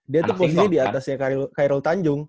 dia tuh posisinya di atasnya kairul tanjung